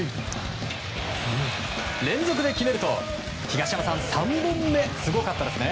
連続で決めると３本目すごかったですね。